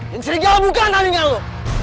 yang serigala bukan tadi dengan lu